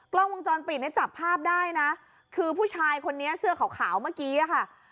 กล้องวงจรปิดเนี่ยจับภาพได้นะคือผู้ชายคนนี้เสื้อขาวเมื่อกี้อะค่ะ